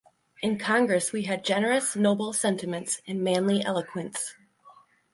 In Congress we had generous, noble sentiments, and manly eloquence.